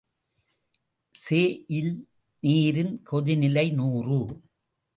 செஇல் நீரின் கொதிநிலை நூறு.